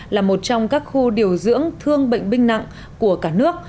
là một trong các khu điều dưỡng thương bệnh binh nặng của cả nước